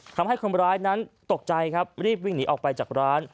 ทำให้คนร้ายนั้นตกใจครับรีบวิ่งหนีออกไปจากร้าน